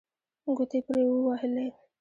ګوتې یې پرې ووهلې.